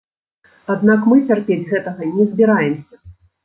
Аднак мы цярпець гэтага не збіраемся.